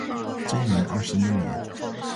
贞元二十一年